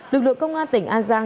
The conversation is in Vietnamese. lực lượng công an tỉnh an giang